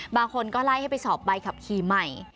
บางคนก็ไล่ให้ไปสอบใบขับขี่ใหม่